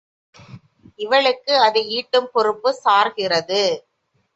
இவளுக்கு அதை ஈட்டும் பொறுப்பும் சார்கிறது.